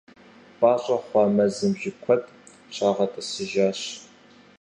Пӏащӏэ хъуа мэзым жыг куэд щагъэтӏысыжащ.